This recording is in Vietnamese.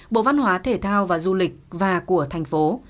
bộ văn hóa thể thao và du lịch và của thành phố